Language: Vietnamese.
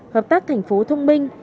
hợp tác thành phố thông minh